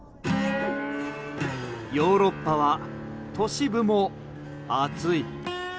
ヨーロッパは都市部も暑い。